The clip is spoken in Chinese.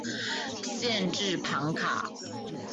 县治庞卡。